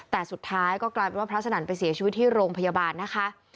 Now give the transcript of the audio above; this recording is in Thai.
แต่สุดท้ายก็กลายเป็นว่าพระสนั่นไปเสียชีวิตที่โรงพยาบาลนะคะ